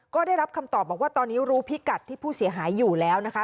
ก็ได้รับคำตอบบอกว่าตอนนี้รู้พิกัดที่ผู้เสียหายอยู่แล้วนะคะ